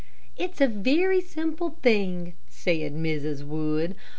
"It is a very simple thing," said Mrs. Wood.